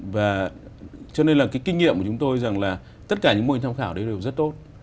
và cho nên là cái kinh nghiệm của chúng tôi rằng là tất cả những mô hình tham khảo đấy đều rất tốt